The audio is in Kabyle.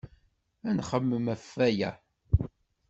Ad nxemmem ɣef waya.